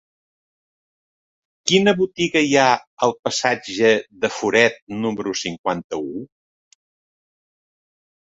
Quina botiga hi ha al passatge de Foret número cinquanta-u?